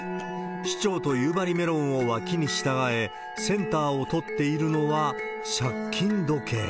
市長と夕張メロンを脇に従え、センターを取っているのは借金時計。